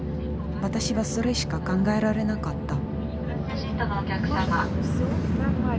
私はそれしか考えられなかった。